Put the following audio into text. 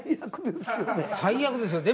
最悪ですね。